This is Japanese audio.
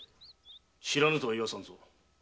知らぬとは言わせぬぞ。